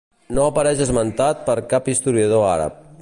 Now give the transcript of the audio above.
No apareix esmentat per cap historiador àrab.